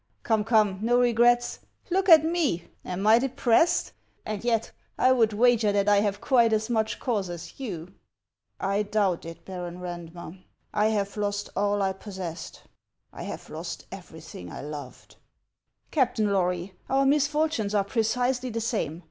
" Come, come, no regrets ! Look at me. Am I de pressed ? And yet I would wager that I have quite as much cause as you." " I doubt it, Baron Eandmer ; I have lost all I pos sessed ; I have lost everything I loved." " Captain Lory, our misfortunes are precisely the same.